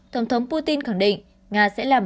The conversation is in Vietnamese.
tổng thống putin khẳng định nga sẽ làm